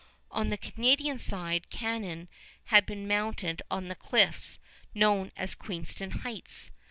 On the Canadian side cannon had been mounted on the cliffs known as Queenston Heights.